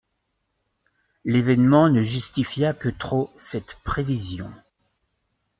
L'événement ne justifia que trop cette prévision.